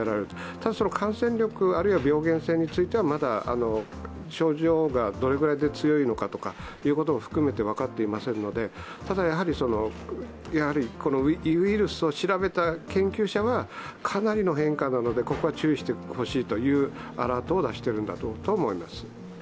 ただ、感染力、あるいは病原性についてはまだ症状がどれぐらいで強いのかということも含めて分かっていませんのでただ、ウイルスを調べた研究者はかなりの変化なので、ここは注意してほしいというアラートを出しているんだと思います。